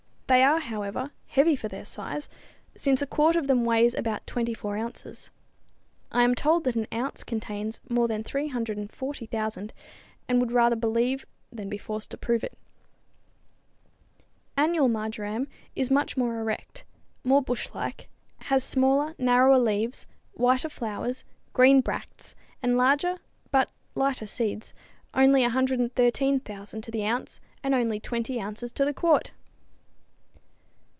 They are, however, heavy for their size, since a quart of them weighs about 24 ounces. I am told that an ounce contains more than 340,000, and would rather believe than be forced to prove it. Annual marjoram is much more erect, more bush like, has smaller, narrower leaves, whiter flowers, green bracts and larger, but lighter seeds only 113,000 to the ounce and only 20 ounces to the quart!